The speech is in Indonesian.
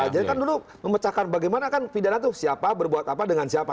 jadi kan dulu memecahkan bagaimana kan pidana itu siapa berbuat apa dengan siapa